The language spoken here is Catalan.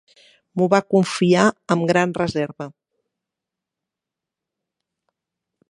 M'ho va confiar amb gran reserva.